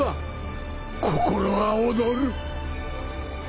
心が躍る